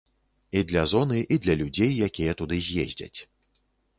І для зоны, і для людзей, якія туды з'ездзяць.